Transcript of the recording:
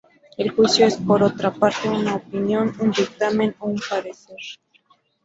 El juicio es, por otra parte, una opinión, un dictamen o un parecer.